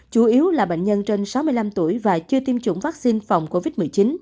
chủ yếu là bệnh nhân trên sáu mươi năm tuổi và chưa tiêm chủng vaccine phòng covid một mươi chín